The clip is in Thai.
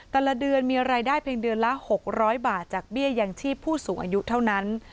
แต่ละเดือนมีรายได้เพียงเดือนละ๖๐๐บาทจากเบี้ยยังชีพผู้สูงอายุเท่านั้น